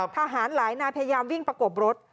ทหารหลายนายพยายามวิ่งประกบรถ